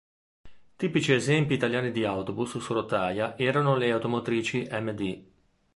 Tipici esempi italiani di autobus su rotaia erano le automotrici Md.